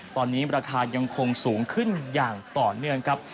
ตอนนี้ราคายังคงสูงขึ้นอย่างต่อเนื่องครับ